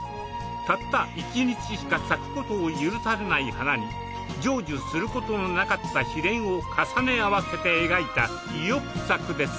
たった１日しか咲くことを許されない花に成就することのなかった悲恋を重ね合わせて描いた意欲作です。